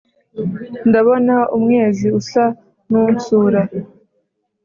ndabona umwezi usa n ' unsura